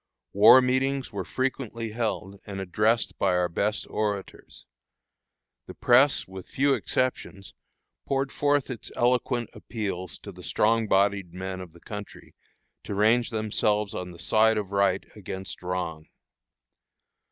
War meetings were frequently held, and addressed by our best orators. The press, with few exceptions, poured forth its eloquent appeals to the strong bodied men of the country to range themselves on the side of right against wrong.